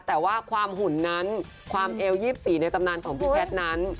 แต่ว่าความหุ่นนั้นความเอว๒๔ในตำนานของพี่แพทย์นั้น